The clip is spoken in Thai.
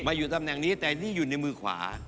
อยู่ตำแหน่งนี้แต่นี่อยู่ในมือขวา